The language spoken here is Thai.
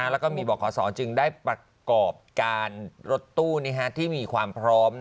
แล้วก็มีบอกขอสอจึงได้ประกอบการรถตู้ที่มีความพร้อม